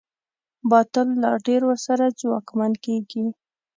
باطل لا ډېر ورسره ځواکمن کېږي.